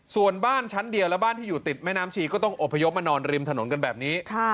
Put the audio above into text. ส่วนบ้านชั้นเดียวและบ้านที่อยู่ติดแม่น้ำชีก็ต้องอบพยพมานอนริมถนนกันแบบนี้